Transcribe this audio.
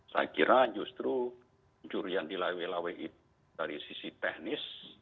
saya kira justru pencurian di lawe lawe itu dari sisi teknis